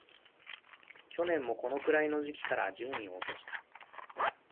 去年もこのくらいの時期から順位を落とした